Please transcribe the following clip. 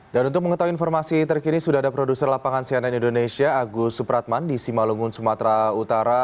untuk mengetahui informasi terkini sudah ada produser lapangan cnn indonesia agus supratman di simalungun sumatera utara